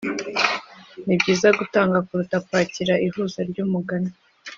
nibyiza gutanga kuruta kwakira ihuza ryumugani